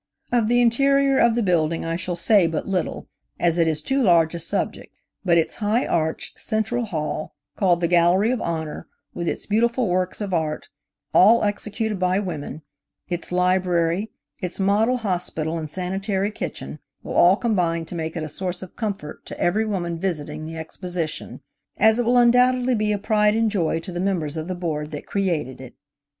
Of the interior of the building I shall say but little, as it is too large a subject, but its high arched, central hall, called the Gallery of Honor, with its beautiful works of art, all executed by women; its library, its model hospital and sanitary kitchen will all combine to make it a source of comfort to every woman visiting the Exposition, as it will undoubtedly be a pride and joy to the members of the Board that created it.